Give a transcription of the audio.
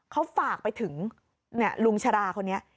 เขาฝากไปถึงลุงชราคนนี้